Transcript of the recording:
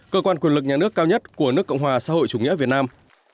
cơ quan quyền lực nhà nước cao nhất của nước cộng hòa xã hội chủ nghĩa việt nam